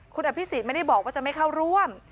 คุณอภิษฎไม่ได้บอกว่าจะไม่เข้าร่วม